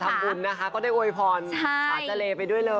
คนรอทำบุญนะคะก็ได้โอยพรอาจจะเลไปด้วยเลย